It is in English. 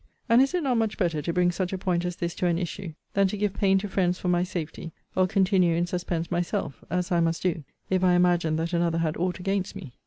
And is it not much better to bring such a point as this to an issue, than to give pain to friends for my safety, or continue in suspense myself; as I must do, if I imagined that another had aught against me?